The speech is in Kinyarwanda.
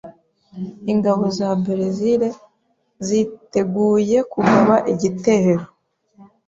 Ingabo za Berezile ziteguye kugaba igitero.